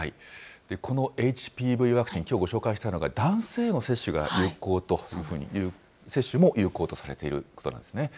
このＨＰＶワクチン、きょうご紹介したのが、男性への接種が有効というふうに、接種も有効とされていることなんですね。